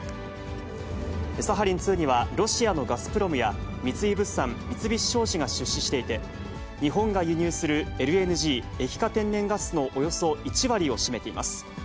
サハリン２には、ロシアのガスプロムや、三井物産、三菱商事が出資していて、日本が輸入するＬＮＧ・液化天然ガスのおよそ１割を占めています。